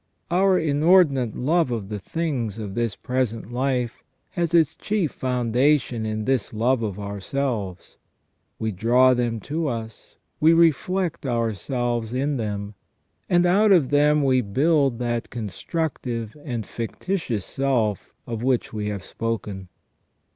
Our inordinate love of the things of this present life has its chief foundation in this love of ourselves. We draw them to us ; we reflect ourselves in them ; and out of them we build that con structive and fictitious self of which we have spoken.